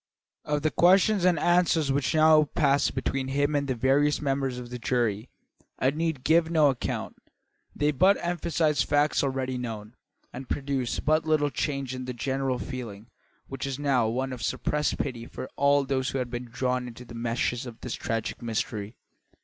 Of the questions and answers which now passed between him and the various members of the jury I need give no account. They but emphasised facts already known, and produced but little change in the general feeling, which was now one of suppressed pity for all who had been drawn into the meshes of this tragic mystery.